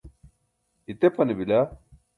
itepane bila